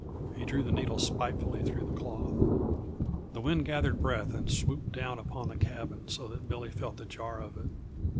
He drew the needle spitefully through the cloth. The wind gathered breath and swooped down upon the cabin so that Billy felt the jar of it.